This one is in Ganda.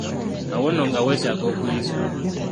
Awo nno nga weetaga okuyiga.